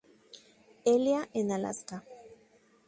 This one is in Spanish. Elia, en Alaska.